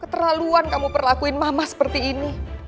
keterlaluan kamu perlakuin mama seperti ini